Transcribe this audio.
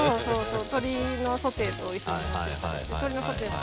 鶏のソテーと一緒に持ってたりして鶏のソテーも。